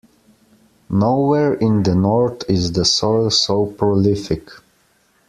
Nowhere in the North is the soil so prolific.